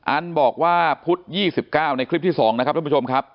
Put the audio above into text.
อันบอกว่าพุธ๒๙ในคลิปที่๒นะครับท่านผู้ชมครับ